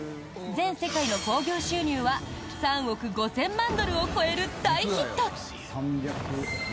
全世界の興行収入は３億５０００万ドルを超える大ヒット！